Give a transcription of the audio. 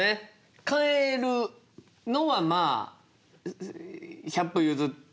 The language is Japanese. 帰るのはまあ百歩譲って。